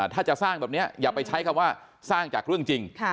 ถ้าจะสร้างแบบนี้อย่าไปใช้คำว่าสร้างจากเรื่องจริง